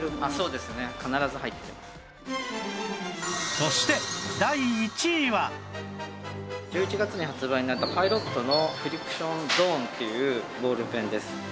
そして１１月に発売になったパイロットのフリクションゾーンっていうボールペンです。